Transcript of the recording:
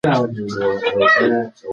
که لمر مړ شي ځمکه یخیږي.